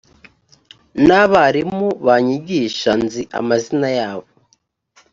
n abarimu banyigisha nzi amazina yabo